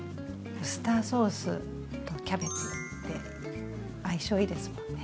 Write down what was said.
ウスターソースとキャベツって相性いいですもんね。